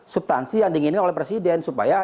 subtansi yang diinginkan oleh presiden supaya